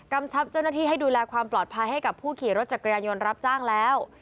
ชับเจ้าหน้าที่ให้ดูแลความปลอดภัยให้กับผู้ขี่รถจักรยานยนต์รับจ้างแล้ว